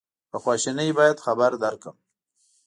خواشیني باید خبر درکړم.